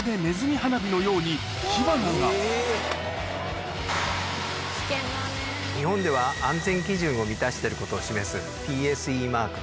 花火のように火花が日本では安全基準を満たしてることを示すＰＳＥマーク